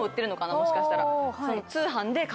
もしかしたら。